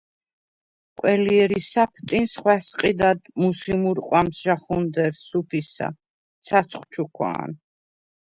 ყველჲერი საფტინს ხვასყჷდად მუსი მუ̄რყვამს ჟაჴუნდერს, სუფისა, ცაცხვ ჩუქვა̄ნ.